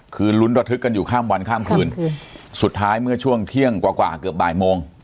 คือลุ้นระทึกกันอยู่ข้ามวันข้ามคืนสุดท้ายเมื่อช่วงเที่ยงกว่ากว่าเกือบบ่ายโมง